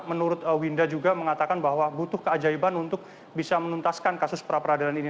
menurut winda juga mengatakan bahwa butuh keajaiban untuk bisa menuntaskan kasus pra peradilan ini